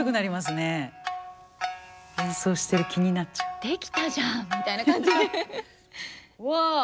すごい！「できたじゃん」みたいな感じ。